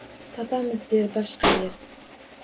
Topamiz der boshqa yer.